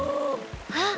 あっ！